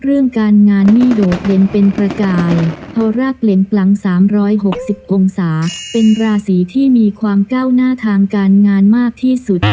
เรื่องการงานนี่โดดเด่นเป็นประกายเพราะรากเหล็นปลัง๓๖๐องศาเป็นราศีที่มีความก้าวหน้าทางการงานมากที่สุด